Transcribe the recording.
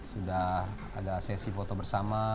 sudah ada sesi foto bersama